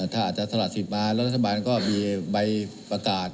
ถ้าอาจจะสละสิทธิ์มาแล้วรัฐบาลก็มีใบประกาศ